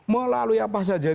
melalui apa saja